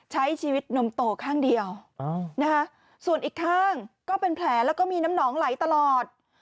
ใช้ชีวิตนมโตข้างเดียวส่วนอีกข้างก็เป็นแผลแล้วก็มีน้ำหนองไหลตลอด